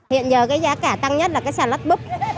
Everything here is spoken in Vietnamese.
hiện giờ giá cả tăng nhất là xà lách búp